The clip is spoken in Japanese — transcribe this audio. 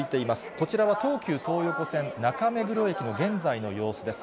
こちらは東急東横線中目黒駅の現在の様子です。